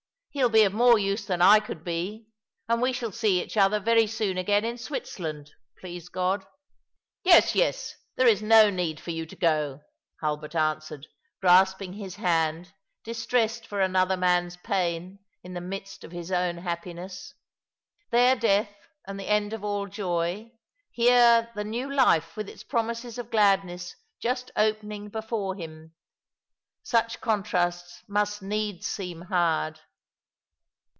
He'il be of more use than I could be ; and we shall see each other very soon again in Switzerland, please God." 1 "Yes, yes, There is no need for you to go," Hulbert answered, grasping his hand, distressed for another man's pain in the midst of his own happiness. There death, and the end of all joy — here the new life with its promises of gladness just opening before him. Such contrasts must needs seem hard.